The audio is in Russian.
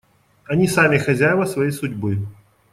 Они сами хозяева своей судьбы.